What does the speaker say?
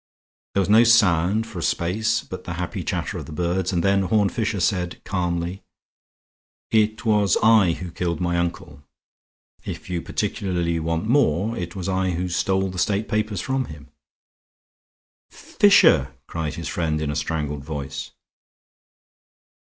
There was no sound for a space but the happy chatter of the birds, and then Horne Fisher said, calmly: "It was I who killed my uncle. If you particularly want more, it was I who stole the state papers from him." "Fisher!" cried his friend in a strangled voice.